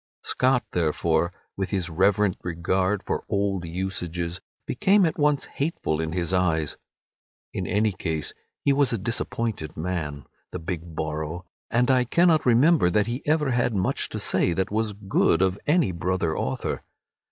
Scott therefore, with his reverent regard for old usages, became at once hateful in his eyes. In any case he was a disappointed man, the big Borrow, and I cannot remember that he ever had much to say that was good of any brother author.